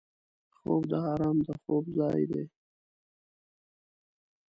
خوب د آرام د خوب ځای دی